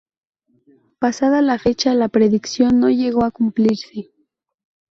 Pasada la fecha la predicción no llegó a cumplirse.